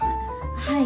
はい。